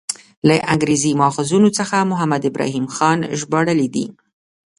له انګریزي ماخذونو څخه محمد ابراهیم خان ژباړلی دی.